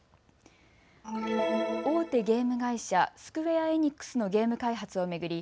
大手ゲーム会社、スクウェア・エニックスのゲーム開発を巡り